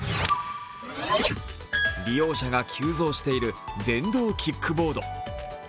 利用者が急増している電動キックボード。